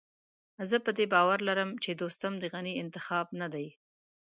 زه په دې باور لرم چې دوستم د غني انتخاب نه دی.